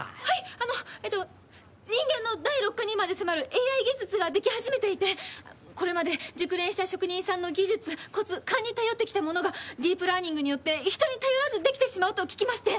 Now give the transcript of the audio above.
人間の第六感にまで迫るＡＩ技術ができ始めていてこれまで熟練した職人さんの技術コツ勘に頼ってきたものがディープラーニングによって人に頼らずできてしまうと聞きまして。